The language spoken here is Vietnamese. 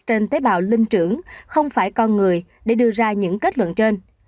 trên tế bào linh trưởng không phải con người để đưa ra những kết luận trên